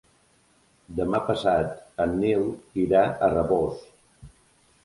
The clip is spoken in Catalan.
Demà passat en Nil irà a Rabós.